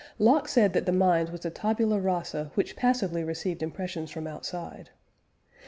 Locke said that the mind was a tabula rasa which passively received impressions from outside.